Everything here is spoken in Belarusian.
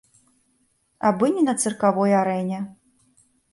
Абы не на цыркавой арэне.